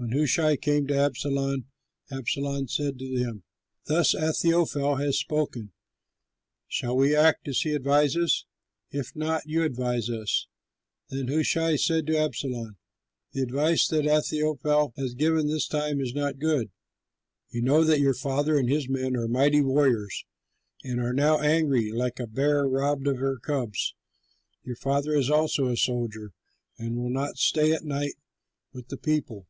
When Hushai came to Absalom, Absalom said to him, "Thus Ahithophel has spoken; shall we act as he advises? If not, you advise us." Then Hushai said to Absalom, "The advice that Ahithophel has given this time is not good. You know that your father and his men are mighty warriors and are now angry, like a bear robbed of her cubs. Your father is also a soldier and will not stay at night with the people.